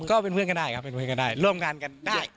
ก็เป็นเพื่อนกันได้ร่วมกันกันได้